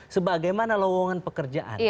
sebagaimana lowongan pekerjaan